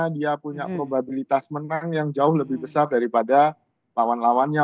dia punya probabilitas menang yang jauh lebih besar daripada lawan lawannya